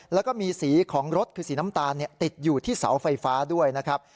แล้วก็มีสีของรถคือสีน้ำตาลติดอยู่ที่เสาไฟฟ้าด้วยนะครับ